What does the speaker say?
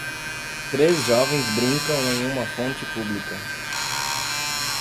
Três jovens brincam em uma fonte pública.